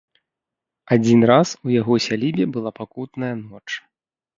Адзін раз у яго сялібе была пакутная ноч.